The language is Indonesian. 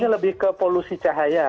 ini lebih ke polusi cahaya